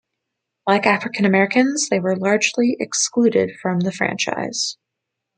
Like African Americans, they were largely excluded from the franchise.